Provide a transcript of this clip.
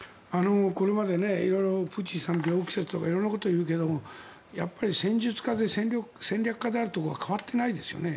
これまで色々プーチンさんの病気説とか色々なことを言うけれどやっぱり戦術家で戦略家であるところは変わっていないですよね。